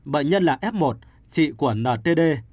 bệnh nhân là f một chị của ntd